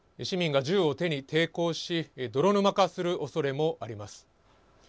市民が銃を手に抵抗し泥沼化するおそれもあります。